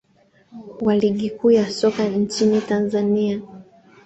wa ligi kuu ya soka nchini tanzania